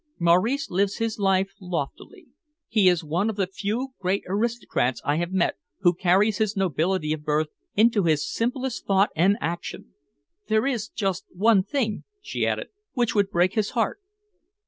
"Maurice lives his life loftily. He is one of the few great aristocrats I have met who carries his nobility of birth into his simplest thought and action. There is just one thing," she added, "which would break his heart."